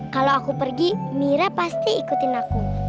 kalau aku pergi mira pasti ikutin aku